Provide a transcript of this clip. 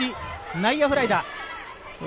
内野フライだ。